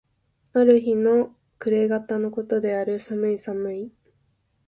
ある日の暮方の事である。寒い寒い。